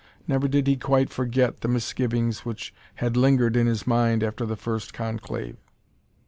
Never did he quite forget the misgivings which had lingered in his mind after the first conclave.